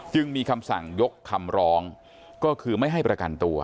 จึงมีคำสั่งยกคำร้องก็คือไม่ให้ประกันตัว